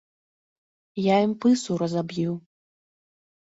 Я ім пысу разаб'ю.